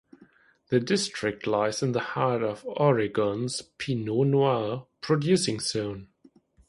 The district lies in the heart of Oregon’s Pinot Noir producing zone.